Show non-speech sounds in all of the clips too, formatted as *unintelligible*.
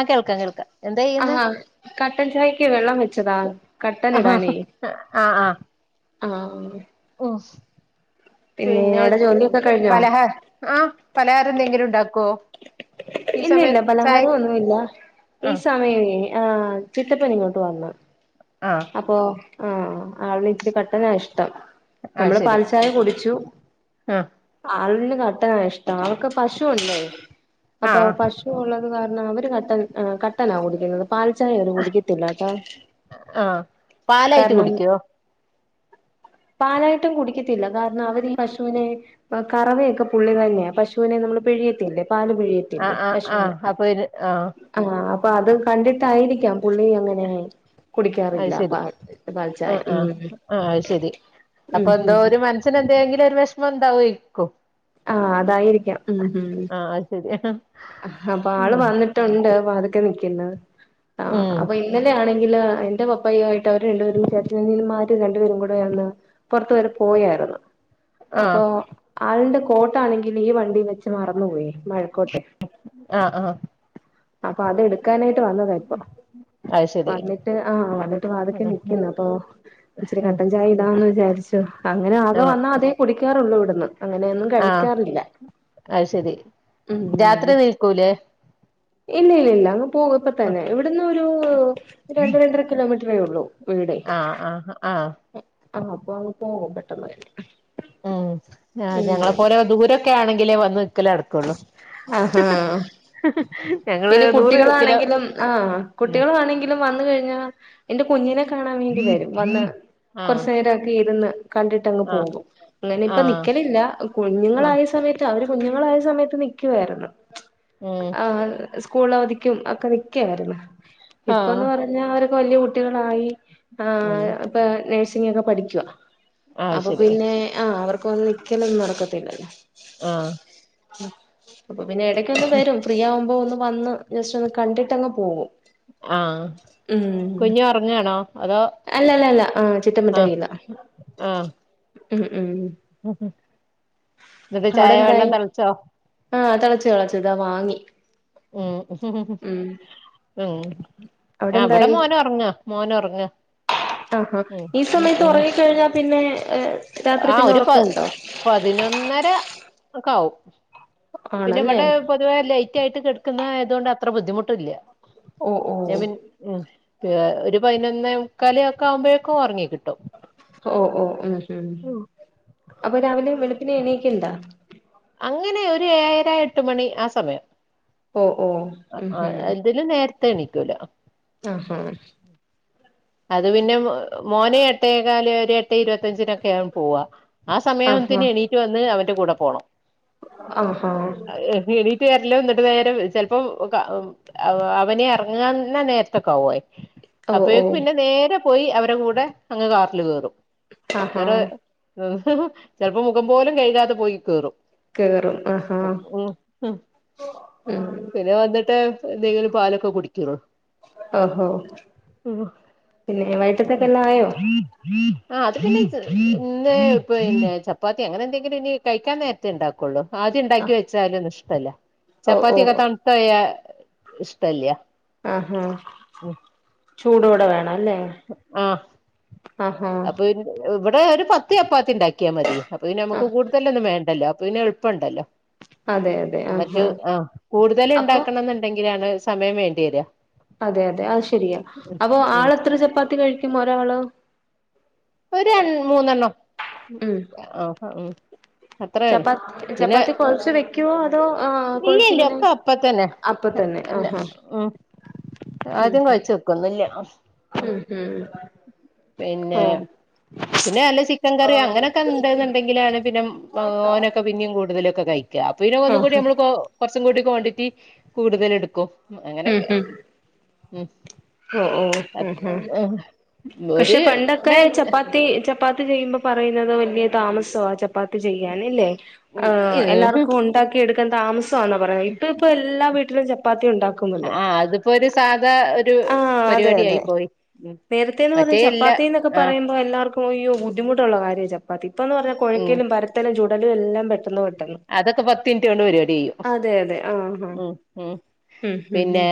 അ കേൾക്ക കേൾക്കാം എന്താ ആ ചെയ്യുന്നെ കട്ടൻ ചായക്ക് വെള്ളം വെച്ചതാ കട്ടൻ ആഹ് ഇടാനേ ആഹ് ആഹ് ആഹ് ഉം പിന്നെ അവിടെ ജോലിയൊക്കെ കഴിഞ്ഞോ പലഹ ആഹ പലഹാര എന്തെങ്കിലും ഉണ്ടാക്കോ? ഇല്ല ഇല്ല പലഹാരം ഒന്നും ഇല്ല ഈ ആഹ് സമയമേ ആ് ചിത്തപ്പൻ ഇങ്ങോട്ട് വന്ന ആഹ് അപ്പൊ അപ്പൊ ആ ആളിന ഇച്ചിരി കട്ടനാ ഇഷ്ടം അത് നമ്മള് ശരി പാൽച്ചായ കുടിച്ചു. ആഹ് ആളന് കട്ടന ഇഷ്ടം അവൾക്ക് പശുവല്ലേ അപ്പൊ ആഹ് പശു ഉള്ളത് കാരണം അവര് കട്ടൻ കട്ടനാ കുടിക്കുന്നത് പാൽചായ കുടിക്കത്തില്ലട്ടോ ആഹ് പാലായിട്ട് കാരണം കുടിക്കുവോ പാലായിട്ടം കുടിക്കത്തില്ല കാരണം അവർ പശുവിനെ കറവിയൊക്കെ പുള്ളി തന്നെയാണ് പശു അശവിനെ നമ്മള് പിഴിയത്തില്ലേ പാല് ആഹ് പിഴിയത്തില്ലേ ആഹ് പശവിനെ ആഹ് അപ്പൊ ഇത് ആഹ് ആഹ അപ്പൊ അത് കണ്ടിട്ടായിരിക്കാം പുള്ളി അങ്ങനെ കുടിക്കാറില്ല പാ പാൽച്ചായ ഉം ആഹ ശെരി അപ്പൊ ഉം ഉം എന്തോ ഒരു മനസ്സിന് എന്തെങ്കിലും ഒരു വിഷമം എന്താവോ ഇക്കും ആഹ അതായിരിക്കാം ഉം ഉം ആഹ് അത് ശരി അപ്പൊ ആള് വന്നിട്ടുണ്ട് അതക്കെ നിക്കുന്നത് ആ ഉം അപ്പൊ ഇന്നലൊണെങ്കില് എന്റെ പപ്പയായിട്ട അവര് രണ്ടുപേരും ചേർച്ച മാര് രണ്ടുപേരും കൂടെ ആന്ന് പുറത്ത വരെ പോയായിരുന്നു ആഹ് അപ്പൊ ആളിന്റെ കോട്ട ആണെങ്കിൽ ഈ വണ്ടി വെച്ച് മറന്നു പോോയി മഴക്കോട്ടെ ആഹ് ആഹ അപ്പൊ അത് എടുക്കാനായിട്ട് വന്നത ഇപ്പൊ. അത് ശരി വന്നിട്ട് ആഹ് വന്നിട്ട് വാതിക്ക നൽിക്കുന്നു അപ്പൊ ഇച്ചിരി കട്ടൻ ചായ എന്താന്ന് വിചാരിച്ചു അങ്ങനെ ആകെ വന്നാ അതേ കുടിക്കാറുള്ളൂ ഇവിടുന്ന് അങ്ങനെയൊന്നും ആഹ കഴിക്കാറില്ല അ ശരി ഉം രാത്രി നിൽക്കൂലേ ഇല്ല ഇല്ല ഇല്ല അങ്ങ് പോകപ്പോ തന്നെ ഇവിടന്ന് ഒരു രണ്ട രണ്ടര കിലോമീറ്ററേ ഉള്ളൂ വീടെ ആഹ് ആഹ് ആഹ് ആഹ അപ്പൊ അങ്ങ് പോകൻ പെട്ടെന്ന്യി ഉം ആ് ഞങ്ങളെ പോലെ ദൂരൊക്കെ ആണെങ്കിലേ വന്ന് നിൽക്കലേ നടക്കുള്ളൂ ആഹ ഞങ്ങള് പിന്നെ നൂറ് കിലോ കുട്ടികളാണെങ്കിലും ആഹ ഉം കുട്ടികളാണെങ്കിലും വന്ന കഴിഞ്ഞാൽ എന്റെ കുഞ്ഞിനെ കാണാൻ വേണ്ടി വരും വന്ന് ആഹ് കുറച്ചു നേരംക്കെ ഇരുന്ന് കണ്ടിട്ട് അങ്ങ് ആഹ് പോകും അങ്ങനെ ഇപ്പ ആഹ് നിക്കലില്ല ആഹ് കുഞ്ഞുങ്ങളായ സമയത്ത് അവര് കുഞ്ഞുങ്ങളായ സമയം സമയത്ത് നിൽക്കു മായിരുന്നു. ഉം സ്കൂള അവധിക്കും ഒക്കെ നിക്കായിരുന്നു ഇപ്പൊന്ന് ആഹ് പറഞ്ഞാ അവരൊക്കെ വല്യ കുട്ടികളായി ആ ഉം ഇപ്പൊ നഴ്സിംഗ ഒക്കെ പഠിക്കുവ ആഹ് അപ്പൊ ശരി പിന്നെ ആ അവർക്ക് വന്ന് നിക്ക കേലത് നടക്കത്തില്ല ആഹ ഉ അപ്പൊ പിന്നെ ഇടയ്ക്ക ഒന്ന് വരും ഫ്രീ ആവുമ്പോ ഒന്ന് വന്ന് ജസ്റ്റ് ഒന്ന് കണ്ടിട്ട്ങ്ങ് പോകും. ആഹ കുഞ്ഉറങ്ങാണോ? അല്ല അല്ല അല്ല ആഹ ചിറ്റമ്പറ്റ ആഹ് കയ്യില ഉ ഉ ഉം ഹം അവിടെ എന്തായി തെളച്ചോ ആഹ് തിളച്ചു ളച്ചു ഇതാ വാങ്ങി ഉം ഉ ഉം ഉം ഞ അവിടെ മോന ഉറങ്ങാ മോനു ഉറങ്ങ ആഹാ ഈ സമയത്ത് ഉറ കഴിഞ്ഞാൽ പിന്നെ രാത്രി ആ പിന്നെ ഒരു പ ഉറക്കമുണ്ടോ പതിനൊന്നര ഒക്കെ ആാവും പിന്നെ ആണല്ലേ ഇവിടെ പൊതുവേ ലൈറ്റ് ആയിട്ട് കിടക്കുന്നായതുകൊണ്ട് അത്ര ബുദ്ധിമുട്ടില്ല. ഓ ഓ ഞമൻ ഉ പി ഒരു പതിനൊന്നേക്കാല ഒക്കെ ആവുമ്പോഴേക്കും ഉറങ്ങി കിട്ടും. ഓ ഓ ഉ ഉ അപ്പൊ രാവിലെ വെളുപ്പിനെ എണൊക്കെ എണ്ടാ അങ്ങനെ ഒരു ഏഴരാഎട്ട് മണി ആ സമയം ഓ ഓ ഉം ആ ഉം ഇതിന് നേരത്തെ എണിക്കൂ ലൊ ആഹാ അത് പിന്നെ മോനെ എട്ടേകാല് എട്ടേ ഇരുപത്തയഞ്ചിനൊക്കെൻ പോവാ ആ സമയാം ആഹാ മ്പത്തിന് എണീറ്റ് വന്ന് അവൻന്റെ കൂടെ പോണം ആഹാ എണീറ്റ് വരലും എന്നിട്ട് നേരം ചിലപ്പോം കാ അവനെ ഇറങ്ങാന്നാ നേരത്തെക്ക വായേ ഓ ഓ അപ്പോഴേക്കും പിന്നെ നേരെ പോയി അവരെ കൂടെ അങ്ങ് കാറില് കേയറും ആഹാ വേറെ ഉം ചെൽപ്പോ മുഖം പോലും കഴ്കാതെ പോയി കേറും കേറും ആഹാ *unintelligible* ഉം പിന്നെ വന്നിട്ട് എന്തെങ്കിലും പാലൊക്കെ കുടിക്കുള്ളൂ ഓഹോ ഓ പിന്നെ വൈകിട്ടത്തേക്കെല്ലാം ആയോ ആ അത് പിന്നെ ഇന്നെ ചപ്പാത്തി അങ്ങനെ എന്തെങ്കിലും ഇനി കഴിക്കാൻ നേരത്തെ ഉണ്ടാക്കുള്ളൂ ആദ്യ ആ ഉണ്ടാക്കി വെച്ചാല് ഒന്നും ഇഷ്ടമല്ല ഓ ഓ ചപ്പാത്തി ഒക്കെ തണുത്ത് പോയാല് ഇഷ്ടല്ല ആഹാ ചൂ ടോടെ വേണം അല്ലേ ആഹ ആഹാ അപ്പൊ ഇവിടെ ഒരു പത്ത് ചപ്പാത്തി ഉണ്ടാക്കിയാ മതി അപ്പൊ ആ നമുക്ക് കൂടുതലൊന്നും വേണ്ടല്ലോ അപ്പം എളുപ്പംണ്ടല്ലോ അതെ അതെ മറ്റു ആഹാ ആഹ കൂടുതൽ അപ്പൊ ഉണ്ടാക്കണം എന്നുണ്ടെങ്കിലാണ് സമയം വേണ്ടി വരിക അതെ അതെ അത് ശെരിയാ അപ്പൊ ഉം ആൾത്ര ചപ്പാത്തി കഴിക്കും ഒരാള് ഒരു രൺ മൂന്നെണ്ണം ഉം ആഹ് ഉ ചപ്പാത്തി ചപ്പാത്തി കൊഴച്ച് വെക്കുവോ അതോ ആ ഇല്ല ഇല്ല കൊഴച്ചിങ്ങനെ ഒക്കെ അപ്പ തന്നെ അപ്പൊ തന്നെ അല്ല ആഹഹ ഉം ആദ്യം കുഴിച്ച് വെക്കുന്നുല്ല ഉം ഹും പിന്നെ. പിന്നെ നല്ല ചിക്കൻ കറി അങ്ങനെയൊക്കെ ഉണ്ട് ന്നിണ്ടങ്കിലാണ് പിന്നെ ഓനൊക്കെ. പിന്നെയും കൂടുതല് ഒക്കെ കഴിക്ക അപ്പൊ ഒന്നും കൂടി ആഹ് നമ്മള് കുറച്ചും കൂടി ക്വാണ്ടിറ്റി കൂടുതല് എടുക്കും. ഉ അങ്ങനെയൊക്കെ ഉം ഓ ഓ ഉം ഉം ഒരു പക്ഷെ പണ്ടൊക്കെ ചപ്പാത്തി. ചപ്പാത്തി ചപ്പാത്തി തീരുമ്പോൾ പറയുന്നത് വല്യയ താമസമാ. ചപ്പാത്തിചെയ്യൻ ഇല്ലേ എല്ലാവർക്കും ഒണ്ടാക്കി എടുക്കാൻ താമസ. ന്നാ പറയാ ഇപ്പ ഇപ്പൊ എല്ലാ വീട്ടിലും ചപ്പാത്തി ഒണ്ടാക്കും. ആ അതിപ്പോ ഒരു സാധാ ഒരു ആഹ് അതെ പരിപാടി ആയി അതെ പോയി നേരത്തെന്ന് പറയുമ്പോ മറ്റേ എല്ലാ ചപ്പാത്തി എന്നൊക്കെ ആഹ് പറയുമ്പോ എല്ലർക്കും യോ ബുദ്ധിമുട്ടുള്ളള്ള കാര്യ ചപ്പ. പ്പാത്തി ഇപ്പന്ന് പറഞ്ഞ ഉം കൊഴക്കലും പരത്തലും ചുടലും എല്ലാം പെട്ടെന്ന് പെട്ടെന്ന്. അതൊക്കെ പത്ത് മിനിറ്റ് കൊണ്ട് പരിപാടി കയ്യും. അതെ അതെ ആഹ് ആഹ് ഉ ഉ ഉം ഉം പിന്നെ ഉം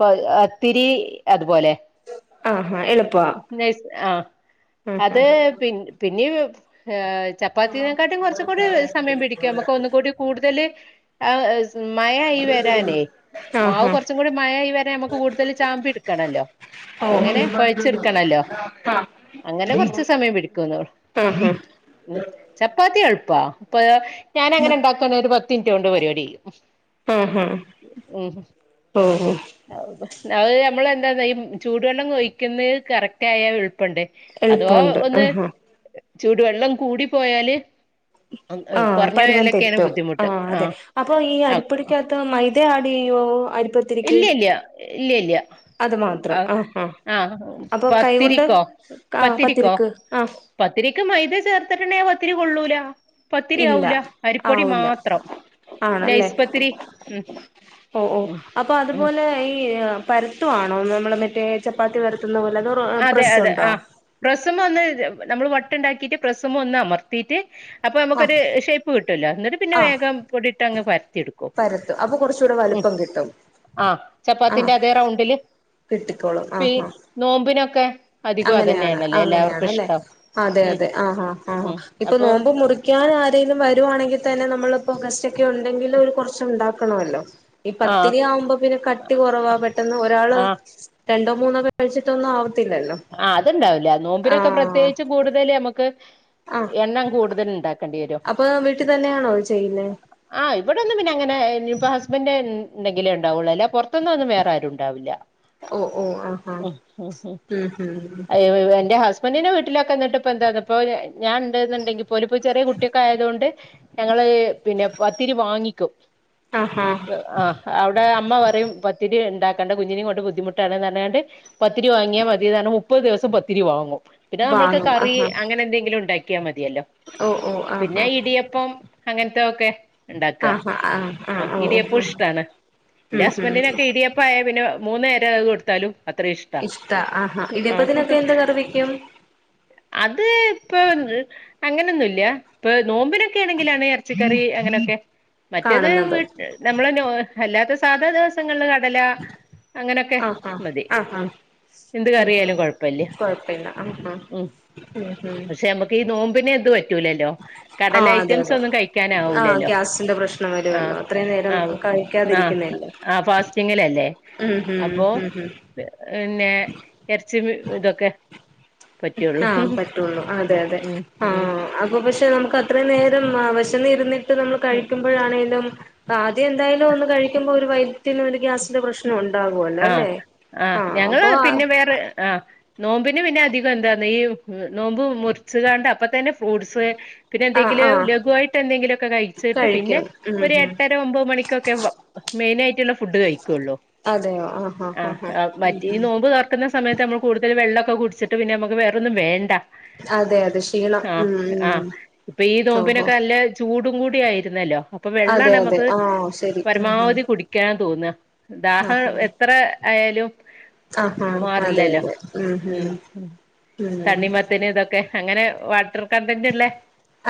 പത്തിരി അതുപോലെ ആഹാ എളുപ്പ നൈ സ് ആ അത് പി പിന്നെ ഏ ചപ്പാത്തിനെക്കാട്ടിലും കുറച്ചും കൂടി സമയം പിടിക്കും നമുക്ക് ഒന്നുകൂടി കൂടുതൽ ആ സ് മയായി വരാനേ മാവ് ആഹ് കുറച്ചും കൂടി മയ ആയി വരാന് നമുക്ക് കൂടുതൽ ചാമ്പി ടുക്കണല്ലോ. ഓ ണല്ലോ അങ്ങനെ കൊറച്ച് സമയം പിടിക്കുംന്നോള്ളു. ആഹ് ചപ്പാത്തി എളുപ്പ അപ്പൊ ഞാന ങ്ങനെ ഇണ്ടാക്കാണേൽ ഒരു പത്ത് മിനിറ്റോ ണ്ട് പരിപാടി് കയും. ആഹ് ആഹ് ഉം ഓഹ് അത് നമ്മളെന്താ ഈ ചൂടുവെള്ളം ഒഴിക്കുന്നത് കറക്റ്റ് ആയ എളുപ്പണ്ട്. അഥവാ എളുപ്പമുണ്ട് ഒന്ന് ആഹ് ചൂടുവെള്ളം കൂടി പോയാല്. അം ഏ ആഹ് പരുവം കുർഞ്ഞോയാലൊക്കെയാണ് തെറ്റും ബുദ്ധിമുട്ട് അതെ ആഹ് അപ്പൊ ഈ ആഹ് അരിപ്പടിക്കാത്ത് മൈദ ആഡ് ചെയ്യോ അരിപ്പൊ ഇല്ല ഇല്ലയ ഇല്ല ഇല്ല. ആഹ് ആഹ് അപ്പൊ കൈകൊണ്ട് പത്തിരിക്കോ ആഹ് പത്തിരിക്കോ? പത്തിരിക്ക് ആഹ് പത്തിരക്ക് മൈത ചേർ ത്ത്ട്ട്ണ്ടേ പത്തിരി കൊള്ളൂല ഇല്ല പത്തിരിയാവൂല അരിപ്പൊടി ആവൂല മാത്രം. ആണല്ലേ നൈസ് പത്തിരി ഉം ഓ ഓ ഉം അപ്പ ഉം അതുപോലെ ഈ പരത്തുവാണോ നമ്മള് മറ്റേ ചപ്പാത്തി പരത്തുന്ന പോലെ അതോ അതെ അതെ പ്രസ്സുണ്ടോ ആഹ് പ്രസ് മെ ഒന്ന് നമ്മൾ വട്ടുണ്ടാക്കിട്ട് പ്രസ് മെ ഒന്ന് അമർത്തിയിട്ട് അപ്പൊ ആ നമുക്കൊരു ഷേപ് പ്പ് കിട്ടല്ലോ എന്നിട്ട് പിന്നെ ആ വേഗം പൊടിട്ട് അങ്ങ് പരത്തിയെടുക്കും പരത്തും അപ്പൊ കുറച്ചുകൂടെ ഉം വലുപ്പം കിട്ടും ആഹ് ആ ചപ്പാത്തിന്റെ അതേ റൗണ്ടില്. കിട്ടിക്കോളും ഇപ്പ ആഹ് ഈ ആഹ് നോമ്പിനൊക്കെ. അധികം അങ്ങനെയാണ് അതന്നെയാണല്ലേ എല്ലാവർക്കും അങ്ങനെയണല്ലേ ഇഷ്ടം അതെ ഉം അതെ ആഹാ ആ ഉം ഇപ്പൊ അപ്പൊ നോമ്പ് മുറി ക്കാന് ആരെങ്കിലും വരുവാണെങ്കിൽ തന്നെ നമ്മളിപ്പോ ഗസ്റ്റ് ഒക്കെ ഉണ്ടെങ്കില് ഒരു കുറച്ച് ഉണ്ടാക്കണല്ലോ? ഈ ആ പത്തിരി ആവുമ്പോ പിന്നെ കട്ടി കുറവാ പെട്ടെന്ന് ഒരാള്. ആ രണ്ടോ മൂന്നോ കഴിച്ചിട്ടൊന്നും ആവത്തില്ലല്ലോ? ആഹ് അത്ണ്ടാവില്ല നോമ്പിനൊക്കെ ആഹ് പ്രത്യേകിച്ചു കൂടുതല് ഞമക്ക്. ആഹ് എണ്ണം കൂടുതല്ണ്ടാക് അപ്പൊ വീട്ടിൽ തന്നെയാണോ ചെയ്യുന്നേ? ആഹ് ഇവിടൊന്നും പിന്നെ അങ്ങനെ ഇനി ഇപ്പോ ഹസ്ബൻഡ്. ഇണ്ടെങ്കിലേ ഉണ്ടാവുള്ളൂ അല്ലാതെ പുറത്ത് ന്നൊന്നും വേറെ ആരുണ്ടാവില്ല. ഓ ഓ ആഹ് ആഹ് ഉം ഹും എന്റെ ഹസ്ബൻഡറിനെ വീട്ടിലൊക്കെ എന്നിട്ട് ഇപ്പൊ എന്താ ഇപ്പ ഞാൻ ഇണ്ട് നിണ്ടങ്കിൽ പോലപ്പോ ചെറിയ കുട്ടിയൊക്കെ ആയതുകൊണ്ട്. ഞങ്ങള് പിന്നെ പത്തിരി വാങ്ങിക്കും. ആഹാ ആഹ് അവിടെ അമ്മ പറയും പത്തിരി ഇണ്ടാക്കണ്ട കുഞ്ഞിനേം കൊണ്ട് ബുദ്ധിമുട്ടാണ്ന്ന് പർഞ്ഞ്ങ്ങാണ്ട് പത്തിരി വാങ്ങിയാ മത് മുപ്പത് ദിവസം പത്തിരി വാങ്ങും. പിന്നെ നമ്മൾക്ക് വാങ്ങും കറി ആഹാ അങ്ങനെ എന്തെങ്കിലും ഉണ്ടാക്കിയാൽ മതിയല്ലോ. ഓ ഓ ആഹാ പിന്നെ ഇടിയപ്പം അങ്ങനത്ത ഒക്കെ ഇണ്ടാക്ക. ആഹാ ആഹ് ഓ ഓ ഉം ഇടിയപ്പോ ഇഷ്ടാണ്. എന്റെ ഉം ഹസ്ബൻഡിനൊക്കെ ഇടിയപ് പ്പായ പിന്നെ മൂന്നു നേരം അത് കൊടുത്താലും അത്രയും ഇഷ്ട. ട്ടാ ആഹാ ഇടിയപ്പതിനൊക്കെ എന്താ കറി വെക്കും. അത്പ്പൊ അങ്ങനൊന്നുല്ല ഇപ്പൊ നോമ്പിനെ ക്കെയാണെങ്കിലാണ് ഇറച്ചിക്കറി അങ്ങനൊക്കെ മറ്റേത് കാണുന്നത് വീട് നമ്മള് നോ അല്ലാതേസ് സാധാ ദിവസങ്ങളില് കടല അങ്ങനെയൊക്കെ ആഹാ മതി. ആഹാ ഉം എന്ത് ഉം കറിയാലും ഉം കൊഴപ്പില്ല. കൊഴപ്പില്ല ആഹാ ഉം ഉം ഉം പക്ഷെ നമുക് ക്കീ നോമ്പിനെ ഇത്‌വറ്റ റ്റുലല്ലോ ആഹ് അതെ കടലഐറ്റംസ് അതെ ഒന്നും ആഹ് കഴിക്കാനാവൂലല്ലോ ഗ്യാസിന്റെ പ്രശ്നം ആഹ് വരുവല്ലോ അത്രയും നേരം ആഹ് ആഹ് കഴിക്കാതിരിക്കുന്നല്ലേ ആഹ് ഫാസ്റ്റിങ്ങിലല്ലേ ഉം ഉം അപ്പോ ഉം ഉം പിന്നെ ഇറച്ചി മീ ഇതൊക്കെ പറ്റുള്ളൂ ആഹ് പറ്റുള്ളൂ. അതെ അതെ ഉം ഉം ആഹ് അപ്പൊ പക്ഷെ നമുക്കത് ത്രേ നേരംആ വെഷന്നിരുന്നിട്ട് നമ്മൾ ഉം കഴിക്കുമ്പോഴാണേലും ആദ്യം എന്തായാലും ഒന്ന് കഴിക്കുമ്പോ ഒരു വൈറ്റിന് ഒര് ഗ്യാസിന്റെ പ്രശ് ശ്നം ആഹ് ഉണ്ടാവുല്ലോല്ലേ ആഹ് ഞങ്ങള് അപ്പൊ പിന്നെ വേറെ ആഹ് നോമ്പിന് പിന്നെ അധികം എന്താന്ന് ഈ നോമ്പ് മുറിച്ചുകാണ്ട് അപ്പ തന്നെ ഫ്രൂട്സ് പിന്നെ ആഹ് എന്തെങ്കിലും ആഹ് ലഘുവായിട്ട് എന്തെങ്കിലുമൊക്കെ കഴിച്ചിട്ട് പിന്നെ കഴിക്കും ഉം ഒരു ഉം എട്ടര ഒമ്പത് മണി *unintelligible* മെയിനയിട്ടുള്ള ഫുഡ് കഴിക്കുള്ളൂ. അതെയോ ആഹ് ആ ആഹ് മറ്റേ ഈ നോമ്പ് തുറക്കുന്ന സമയത്ത് നമ്മൾ കൂടുതൽ വെള്ളക്കെ കുടിച്ചിട്ട് പിന്നെ നമ്മുക്ക് വേറൊന്നും വേണ്ട. അതെ അതെ ക്ഷീണം ആഹ് ഉം ആഹ് ഉം ഇപ്പൊ ഈ ഓഹോ നോമ്പിനൊക്കെ നല്ല ചൂടും കുടി ആയിരുന്നല്ലോ അപ്പൊ അതെ വെള്ളാണ് അതെ നമുക്ക് ആഹ് ശരി ഉം ഉം പരമാവധി കുടി കുട്ടിക്കാൻ തോന്ന ദാഹം ആഹ് എത്ര ആയാലും. ആഹ് ആഹ് അതെ മാറില്ലല്ലോ അതെ ഉം ഉം തണ്ണിമത്തന് ഇതൊക്കെ അങ്ങനെ വാട്ടർ കണ്ടന്റള്ള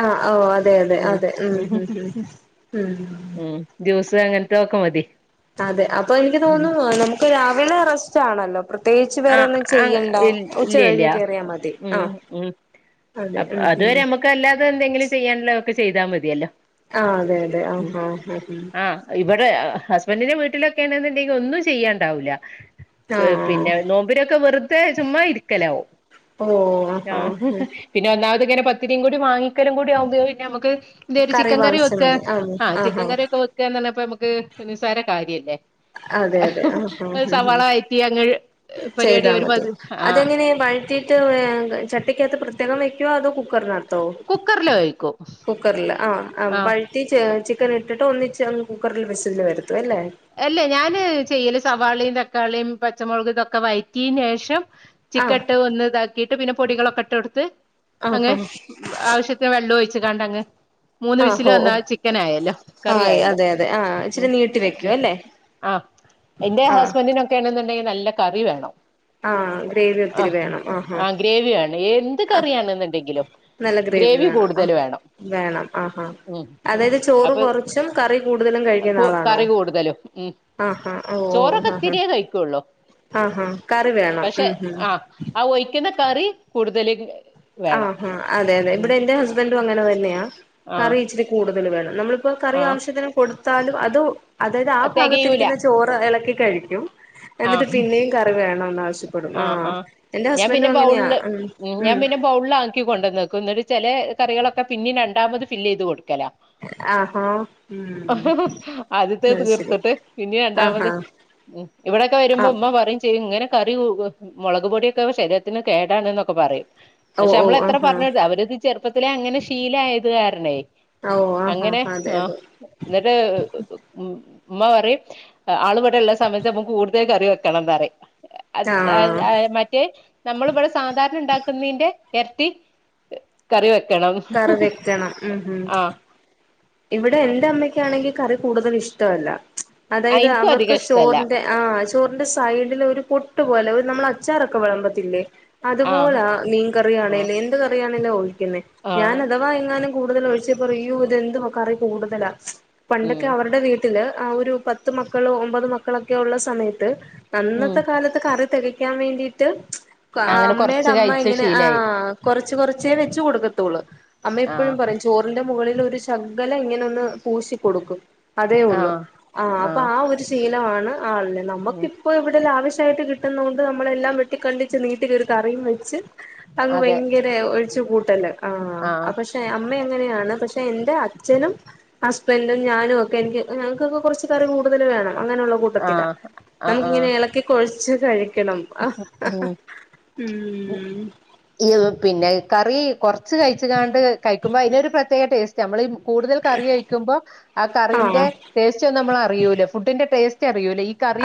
ആഹ് ഓ അതെ അതെ ഉം അതെ ഉം ഉം ഉം ജ്യൂസ് അങ്ങനത്തെക്കെ മതി. അതെ അപ്പൊ എനിക്ക് ഉം തോന്നുന്നു നമുക്ക് രാവിലെ റസ്റ്റ് ആണല്ലോ. പ്രത്യേകിച്ച് വേറെ ഒന്നും ആഹ് ചെയ്യണ്ട ഉച്ച ഇല്ല ഇല്ല കഴിഞ്ഞ് കേറിയ മതി. ഉം ആഹ് ഉം അതെ ഉം ഉം അതുവരെ നമുക്ക് അല്ലാതെ എന്തെങ്കിലും ചെയ്യാനൊള്ളക്കെ ചെയ്താൽ മതിയല്ലോ. ആഹ് അതെ അതെ ആഹ് ഉം ഹ ആഹ് ആഹ് ഇവിടെ ഹസ്ബൻഡിന്റെ വീട്ടിലൊക്കെയ ആണെന്നുണ്ടെങ്കിൽ ഒന്നും ചെയ്യാണ്ടാവില്ല. ആഹ് ആഹ് നോമ്പിനെക്കെ വെറുത ചുമ്മാ ഇരിക്കലാവും. ഓ ആഹാ പിന്നെ ഒന്നാമത് ഇങ്ങനെ പത്തിരിയും കൂടെ വാങ്ങിക്കലുകുടി ആകുമ്പോൾ പിന്നെ നമുക്ക് എന്ത ഒരു ചിക്കൻ കറി വാങ്ങിച്ചാ വെക്ക മതി ആഹ് ചിക്കൻ ആഹാ കറി ഒക്കെ വെക്കന്ന് പറഞ്ഞപ്പോ നമുക്ക് നിസ്സാര കാര്യല്ലേ. അതെ അതെ ആഹ് ഒരു ആഹ് സവാള ഉം വയറ്റിങ്ങ് പരിപാടി ഒരു പതി ആ *unintelligible* കത്തിയിട്ട് ചട്ടിക്കകത്ത് പ്രത്യേകം വയ്ക്കുവോ അത് കുക്കറിലക- ത്തോ കുക്കറില് വേവിക്കും കുക്കറില് ആഹ് ആ വഴ റ്റി ചിക്കൻ ഇട്ടിട്ട് ഒന്നിച്ച് കുക്കറിൽ വിസലെ വരുത്തു അല്ലേ. അല്ലേ ഞാന് ചെയ്യല് സവാളിയും, തക്കാളിയും, പച്ചമുളക് ഇതൊക്കെ വയറ്റിന് ശേഷം ആ ചിക്കൻ ഇട്ട് ഒന്ന് ഇതാക്കിട്ട് പിന്നെ പൊടികളൊക്കെ ഇട്ട് കൊടുത്ത് ആ അങ്ങനെ ആ ആവശ്യത്തിന് വെള്ളം ഒഴിച്ച്ക്കാണ്ട് അങ്ങ് മൂന്ന് ആ വിസിൽ ഓ വന്നാൽ ചിക്കനായല്ലോ കറി ആയല്ലോ. തെ ആഹ് ഇച്ചിരി ഉം നീട്ടി ഉം വെക്കും അല്ലേ ആഹ് എന്റെ ആ ഹസ്ബൻഡിനൊക്കേ ആണെന്നുണ്ടെങ്കിൽ നല്ല കറി വേണം. ആഹ് ഗ്രേവി ഒത്തിരി ആഹ് വേണം ആഹ് ആഹ് ഗ്രേവി വേണം എന്ത് കറിയാണ്ന്ന് ഉണ്ടെങ്കിലും. നല്ല ഗ്രേവി വേണം ആഹ് വേണം ആഹ് ആഹ് ഉം ഉം അതായത് ചോറ് അപ്പൊ കുറച്ചും കറി കൂടുതലും കഴിക്കുന്ന ആളാണോ. കറി കൂടുതലും ഉം ആഹ് ആഹ് ഓ ചോറൊക്കെ ആഹ് ഇത്തിരിയേ കഴിക്കുള്ളൂ ആഹ് ആഹ് കറി വേണം പക്ഷെ ഉഹും ആഹ് ആ ഒഴിക്കുന്ന കറി കൂടുതലേ ആഹ് ആഹ് അതെ അതെ ഇവിടെ എന്റെ ഹസ്ബൻഡും അങ്ങനെ തന്നെയാ. ആഹ് കറി ഇച്ചിരി കൂടുതൽ വേണം നമ്മളിപ്പോ കറി ആഹ് ആവശ്യത്തിന് കൊടുത്താലും അതു അതായത് ആ തികയൂല ഭാഗത്തിരിക്കുന്ന ചോറ് ഇളക്കി കഴിക്കും. എന്നിട്ട് ആഹ് പിന്നെയും കറി വേണന്ന് ആവശ്യപ്പെടും ആഹ് എന്റെ ഞാൻ പിന്നെ ഹസ്ബൻഡും അങ്ങനെയാ ബൗളില് ഉം. ഉം ഞാൻ പിന്നെ ബൗളിൽ ആക്കി കൊണ്ടന്നക്കും എന്നിട്ട് ചില കറികളൊക്കെ പിന്നെയും രണ്ടാമത് ഫില് ചെയ്ത് കൊടുക്കല. ആഹാ ഉം ആദ്യത്തേത് അത് ശരി തീർത്തിട്ട് പിന്നെ രണ്ടാമത് ആഹാ ഉം ഇവിടൊക്കെ വരുമ്പോ ആഹ് ഉമ്മ പറയും ചെയ്യും ഇങ്ങനെ കറി മുളക് പൊടിയൊക്കെ ശരീരത്തിന് കേടാണ് എന്നൊക്കെ പറയും. ഓ പക്ഷെ ഓ നമ്മൾ എത്ര ആഹാ പറഞ്ഞ അവരത് ചെറുപ്പത്തിലെ അങ്ങനെ ശീലയത് കാരണേ ഓ ആഹാ അങ്ങനെ അതെ ആഹ് അതെ എന്നിട്ട് ഉം ഉമ്മ പറയും ആൾ ഇവിടെ ഉള്ള സമയ തിനൊപ്പം കൂടുതൽ കറി വെക്കണന്നറിയും ആഹ് മറ്റേത് നമ്മളിവിടെ സാധാരണ ഉണ്ടാക്കുന്നതിന്റെ ഇരട്ടി കറി വെക്കണം കറി വെക്കണം ഉം ഉം ആഹ് ഇവിടെ എന്റെ അമ്മക്കാണെങ്കിൽ കറി കൂടുതൽ ഇഷ്ടവല്ല അതായത് എനിക്കും അവർക്ക് അധികം ഇഷ്ടല്ല ചോറിന്റെ ആഹ് ചോറിന്റെ സൈഡില് ഒരു പൊട്ട് പോലെ നമ്മൾ അ അച്ചാറൊക്കെ വിളമ്പത്തില്ലേ ആഹ് അതുപോലെ ആഹ് മീൻകറിയാണേല് എൻ ന്ത് കറിയാണേലും ഒഴിക്കുന്നെ ഞാൻ ആഹ് അഥവാ എങ്ങാനും കൂടുതൽ ഒഴിച്ച പറിയും അയ്യോ ഇതെന്തുമ കറി കൂടുതലാ ഉം പണ്ടൊക്കെ അവരുടെ വീട്ടി ട്ടില് ആ ഒരു പത്ത് മക്കളോ ഒമ്പത് മക്കളൊക്കെ ഉള്ള സമയത്ത് ഉം അന്നത്തെ കാലത്ത് കറി തെകക്കാൻ വേണ്ടീട്ട് അങ്ങനെ അമ്മേടെ കൊറച്ച് അമ്മ കഴിച്ച ഇങ്ങനെ ശീലായി ആഹ് കൊറച്ച് കൊറച്ചേ വെച്ച് കൊടുക്കത്തുള്ളൂ അമ്മ ഇപ്പോഴും ആഹ് പറയും ചോറിന്റെ മുകളിൽ ഒരു ശകലം ഇങ്ങനെ ഒന്ന് പൂശി കൊടുക്കും അതേ ഒള്ളു ആഹ് ആഹ് അപ്പൊ ആ ഒരു ശീലമാണ് ആൾടെ നമ്മുക്ക് ഉം ഇ ഇപ്പോ ഇവിടെ ലാവശ്യമായിട്ട് കിട്ടുന്ന കൊണ്ട് നമ്മളെല്ലാം വെട്ടികണ്ട് ച്ച് നീട്ടി ഒരു കറിയും വെച്ച് അങ്ങ് അതെ ഭയങ്കര ഒഴിച്ചു കൂട്ടല്ലേ ആഹ് അപ്പൊ പക്ഷെ അമ്മ അങ്ങനെയാണ് പക്ഷെ എന്റെ അച്ഛനും ഹസ്ബൻഡും ഞാനും ഒക്കെ എനിക്ക് ഞങ്ങൾക്കൊക്കെ കുറച്ച് കറി കൂതൽ വേണം അങ്ങനെയുള്ള കൂട്ട ട്ടത്തില ആഹ് ആഹ് നമുക്ക് ഇങ്ങനെ ആഹ് ഇളക്കി ഇളക്കി കൊഴച്ച് കഴിക്കണം ഹ്ഹ് ഹ്ഹ് ഉം ഉം ഈ പിന്നെ കറി കൊറച്ച് കഴിച്ചിങ്ങാണ്ട് കഴിക്കുമ്പോ അതിനൊരു പ്രത്യേക ടേസ്റ്റാ നമ്മൾ കൂടുതൽ കറി കഴിക്കുമ്പോ ആ കറിന്റെ ആഹ് ടേസ്റ്റ് ഒന്നും നമ്മളറിയൂല ഫുഡിന്റെ ടേസ്റ്റ് അറിയൂല ഈ കറി